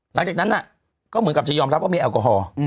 หลังจากนั้นก็เหมือนกับจะยอมรับว่ามีแอลกอฮอล์